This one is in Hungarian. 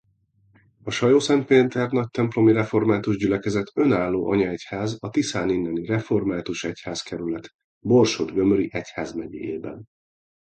A Sajószentpéter-Nagytemplomi Református Gyülekezet önálló anyaegyház a Tiszáninneni Református Egyházkerület Borsod-Gömöri Egyházmegyéjében.